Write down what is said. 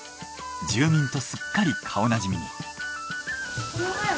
住民とすっかり顔なじみに。